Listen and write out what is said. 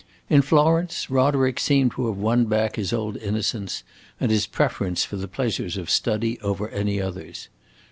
In Florence Roderick seemed to have won back his old innocence and his preference for the pleasures of study over any others.